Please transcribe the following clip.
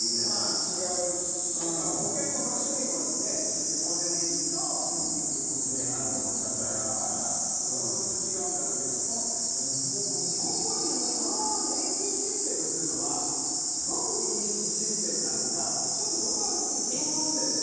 まあ、違うし保険の種類も厚生年金と国民健康保険ってあるだろうからまた、それも違うんだろうけど根本にこの年金システムというのはすごくいいシステムなのかちょっとそこは疑問があるんだよね。